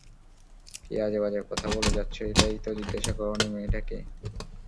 কি আজেবাজে কথা বলে যাচ্ছো এটাই তো জিজ্ঞাসা করো নি, মেয়েটা কে।